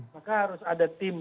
maka harus ada tim